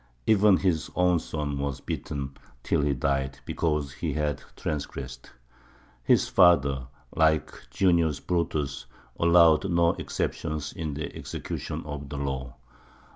Even his own son was beaten, till he died, because he had transgressed. His father, like Junius Brutus, allowed no exceptions in the execution of the law.